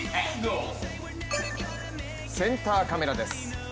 センターカメラです。